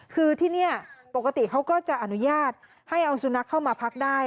คือที่นี่ปกติเขาก็จะอนุญาตให้เอาสุนัขเข้ามาพักได้